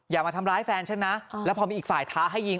อย่ามาทำร้ายแฟนฉันนะแล้วพอมีอีกฝ่ายท้าให้ยิง